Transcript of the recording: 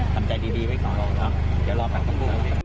ทำใจดีไว้ก่อนครับเดี๋ยวรอแปลกทั้งพวก